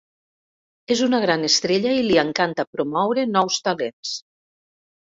És una gran estrella i li encanta promoure nous talents.